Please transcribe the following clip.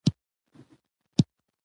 اوښ د افغانستان د بڼوالۍ برخه ده.